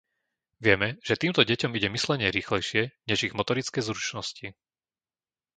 Vieme, že týmto deťom ide myslenie rýchlejšie než ich motorické zručnosti.